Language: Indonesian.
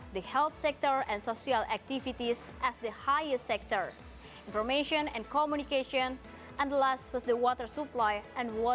pertama tama saya ingin menjelaskan kesempatan covid sembilan belas dan penyelamat ekonomi jakarta